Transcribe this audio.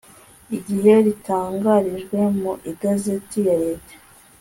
igihe ritangarijwe mu igazeti ya leta